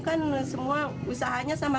kan semua usahanya sama